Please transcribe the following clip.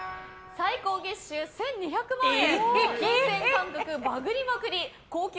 最高月収１２００万円。